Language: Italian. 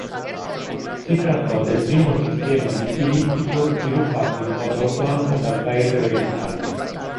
Si trattò del primo sistema missilistico sviluppato in modo autonomo dal Paese orientale.